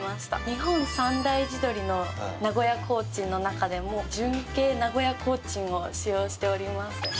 日本三大地鶏の名古屋コーチンの中でも純系名古屋コーチンを使用しております。